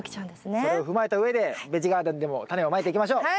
それを踏まえたうえでベジガーデンでもタネをまいていきましょう！